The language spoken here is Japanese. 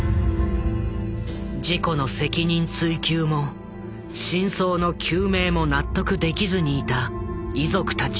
事故の責任追及も真相の究明も納得できずにいた遺族たち。